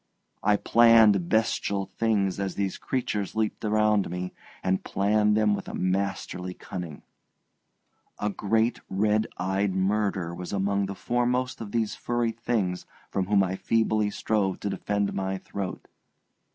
I planned bestial things as these creatures leaped around me, and planned them with a masterly cunning. A great red eyed murder was among the foremost of those furry things from whom I feebly strove to defend my throat.